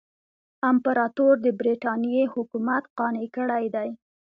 امپراطور د برټانیې حکومت قانع کړی دی.